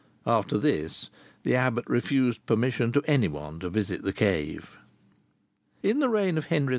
After this the abbot refused permission to any one to visit the cave. In the reign of Henry II.